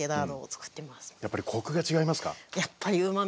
やっぱりコクが違いますか？